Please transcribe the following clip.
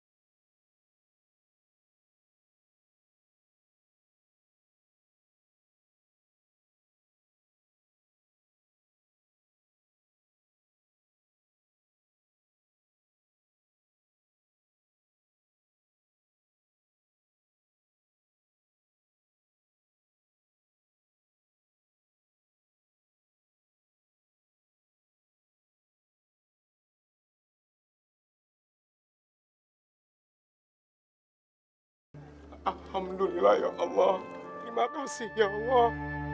alhamdulillah ya allah terima kasih ya allah